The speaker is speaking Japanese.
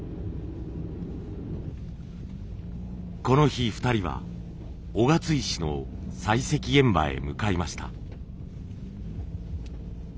この日２人は雄勝石の採石現場へ向かいました。